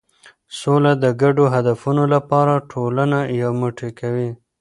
سوله د ګډو هدفونو لپاره ټولنه یو موټی کوي.